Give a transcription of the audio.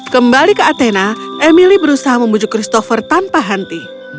kembali ke atena emily berusaha membujuk christopher tanpa henti